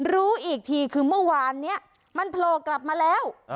รู้อีกทีคือเมื่อวานนี้มันโผล่กลับมาแล้ว